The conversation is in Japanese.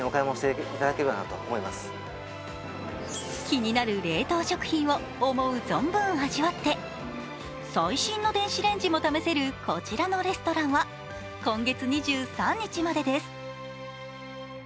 気になる冷凍食品を思う存分味わって最新の電子レンジも試せるこちらのレストランは今月２３日までです。